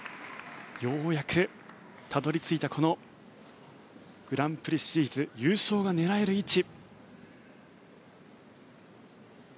ようやくたどり着いたこのグランプリシリーズ優勝が狙える位置。